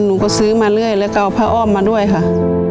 หนูก็ซื้อมาเรื่อยแล้วก็เอาผ้าอ้อมมาด้วยค่ะ